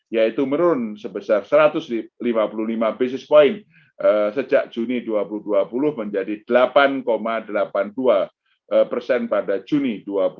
yaitu menurun sebesar satu ratus lima puluh lima basis point sejak juni dua ribu dua puluh menjadi delapan delapan puluh dua persen pada juni dua ribu dua puluh